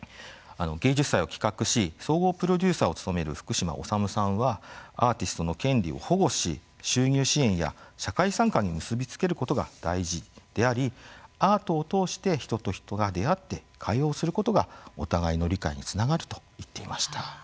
芸術祭を企画し総合プロデューサーを務める福島治さんはアーティストの権利を保護し収入支援や社会参加に結び付けることが大事でありアートを通して人と人が出会って会話をすることがお互いの理解につながると言っていました。